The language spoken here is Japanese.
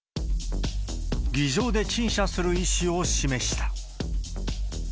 議場で陳謝する意思を示した。